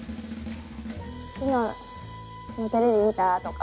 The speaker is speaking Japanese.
「昨日テレビ見た？」とか。